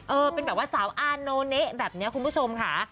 เป็นแบบว่าสาวอาโนเนะแบบนี้คุณผู้ชมค่ะ